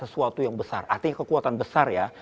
sesuatu yang besar artinya kekuatan besar ya